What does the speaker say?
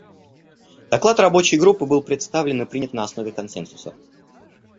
Доклад Рабочей группы был представлен и принят на основе консенсуса.